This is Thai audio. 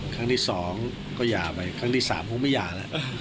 ครั้งที่๒ก็หย่าไปครั้งที่๓คงไม่หย่าแล้ว